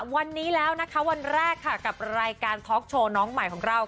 วันนี้แล้ววันแรกกับรายการท็อตโชว์ออกใหม่คุณผู้ชม